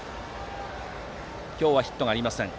今日はヒットがありません